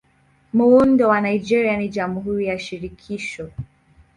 Muundo wa Nigeria ni Jamhuri ya Shirikisho.